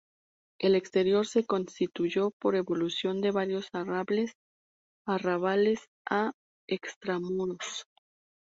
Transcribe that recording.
El exterior se constituyó por evolución de varios arrabales a extramuros.